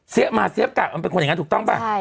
เสี๊ยปมาเสี๊ยปแกกลางเป็นคนอย่างงั้นถูกต้องป่ะ